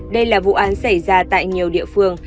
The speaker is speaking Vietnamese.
đây là vụ án xảy ra tại nhiều địa phương